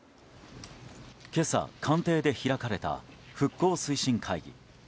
今朝、官邸で開かれた復興推進会議。